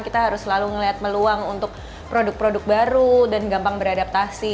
kita harus selalu melihat peluang untuk produk produk baru dan gampang beradaptasi